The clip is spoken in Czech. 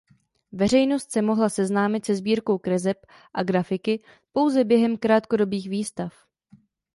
Veřejnost se mohla seznámit se sbírkou kreseb a grafiky pouze během krátkodobých výstav.